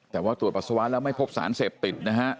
ถ้าว่าตรวจปัสสะว้านแล้วนั้นไม่พบสารเสพติดนะฮะ